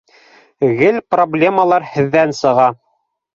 Гел проблемалар һеҙҙән сыға.